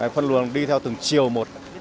phân luồng đi theo từng chiều một